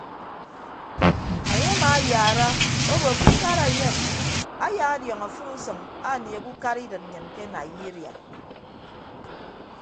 Enye amaayaara obo ke ukara enyem ayaadiọñ afịt usʌñ anieehe ukara idịt nnyịn ke naiyiria.